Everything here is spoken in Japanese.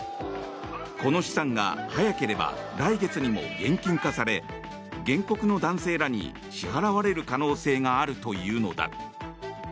この資産が早ければ来月にも現金化され原告の男性らに支払われる可能性があるというのだ。